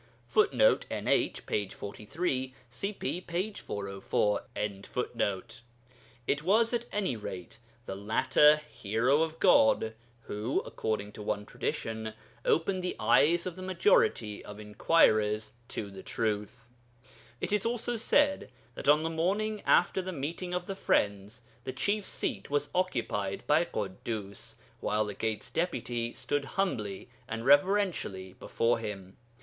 [Footnote: NH, p. 43, cp. p. 404.] It was at any rate the latter Hero of God who (according to one tradition) opened the eyes of the majority of inquirers to the truth. It is also said that on the morning after the meeting of the friends the chief seat was occupied by Ḳuddus, while the Gate's Deputy stood humbly and reverentially before him.